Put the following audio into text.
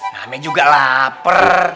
namanya juga lapar